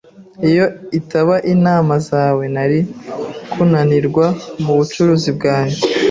Iyo itaba inama zawe, nari kunanirwa mubucuruzi bwanjye.